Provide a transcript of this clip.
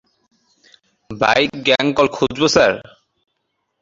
Bike গ্যাংকল খুঁজব, sir?